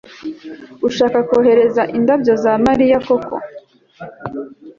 Urashaka kohereza indabyo za Mariya koko